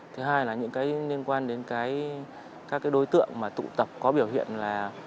thứ hai là những cái liên quan đến cái các cái đối tượng mà tụ tập có biểu hiện là